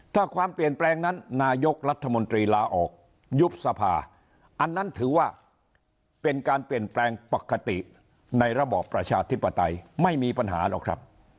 ถ้าความเปลี่ยนแปลงนั้นนายกรัฐมนตรีลาออกยุบสภาอันนั้นถือว่าเป็นการเปลี่ยนแปลงปกติในระบอบประชาธิปไตยไม่มีปัญหาหรอกครับ